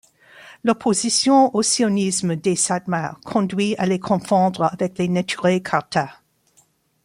L'opposition au sionisme des Satmar conduit à les confondre avec les Neturei Karta.